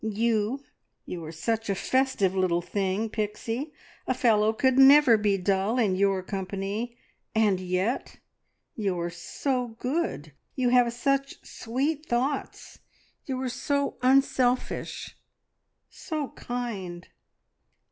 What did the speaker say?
You you are such a festive little thing, Pixie; a fellow could never be dull in your company, and yet you're so good! You have such sweet thoughts; you are so unselfish, so kind."